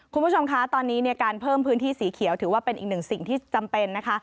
คุณผู้ชมคะตอนนี้เนี่ยการเพิ่มพื้นที่สีเขียวถือว่าเป็นอีกหนึ่งสิ่งที่จำเป็นนะคะ